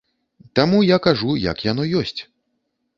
Таму я кажу, як яно ёсць!